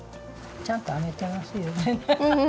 ちゃんと編めてますよね？